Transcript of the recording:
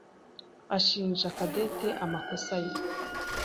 ashinja Cadette amakosa ye.